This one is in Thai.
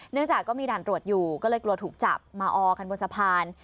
จากก็มีด่านตรวจอยู่ก็เลยกลัวถูกจับมาออกันบนสะพาน